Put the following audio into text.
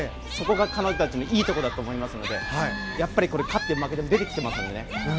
そこが彼女たちのいいところだと思いますのでやっぱり勝っても負けても出てきていますからね。